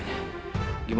aku gak peduli